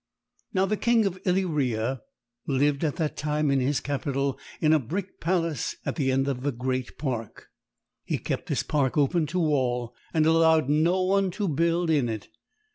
Now the King of Illyria lived at that time in his capital, in a brick palace at the end of the great park. He kept this park open to all, and allowed no one to build in it.